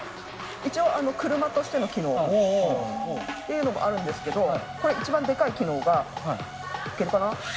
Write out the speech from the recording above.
一応車としての機能っていうのもあるんですけどこれ一番でかい機能がいけるかな？